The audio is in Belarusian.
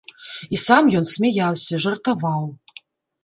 І сам ён смяяўся, жартаваў.